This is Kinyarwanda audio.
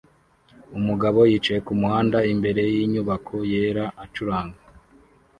Umugabo yicaye kumuhanda imbere yinyubako yera acuranga